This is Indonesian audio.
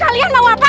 kalian mau apa